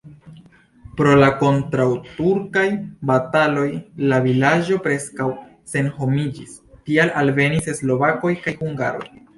Pro la kontraŭturkaj bataloj la vilaĝo preskaŭ senhomiĝis, tial alvenis slovakoj kaj hungaroj.